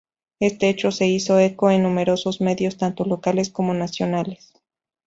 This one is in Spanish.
Este hecho se hizo eco en numerosos medios tanto locales como nacionales.